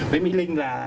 với mỹ linh là